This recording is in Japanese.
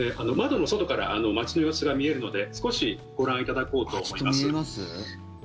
窓の外から街の様子が見えるので少しご覧いただこうと思います。